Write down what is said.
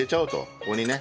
ここにね。